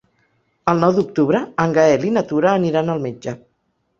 El nou d'octubre en Gaël i na Tura aniran al metge.